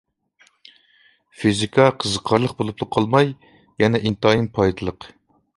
فىزىكا قىزىقارلىق بولۇپلا قالماي، يەنە ئىنتايىن پايدىلىق.